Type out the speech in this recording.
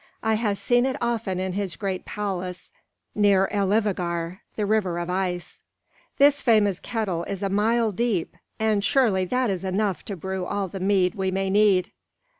"I have seen it often in his great palace near Elivâgar, the river of ice. This famous kettle is a mile deep, and surely that is large enough to brew all the mead we may need."